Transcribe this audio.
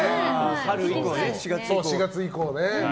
４月以降ね。